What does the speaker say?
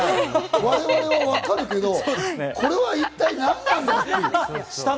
我々はわかるけど、これは一体何なんだ？っていう。